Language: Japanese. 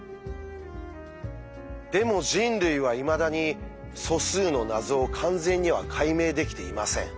でも人類はいまだに素数の謎を完全には解明できていません。